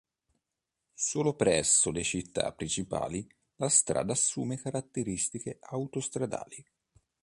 Solo presso le città principali la strada assume caratteristiche autostradali.